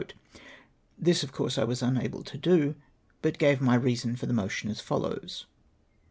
This, of course, I was unable to do, but gave my reason for the motion as follows.